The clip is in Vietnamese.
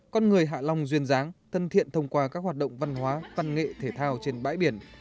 con người hạ long duyên dáng thân thiện thông qua các hoạt động văn hóa văn nghệ thể thao trên bãi biển